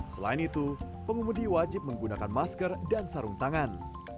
selain itu pengemudi wajib menggunakan masker dan sarung tangan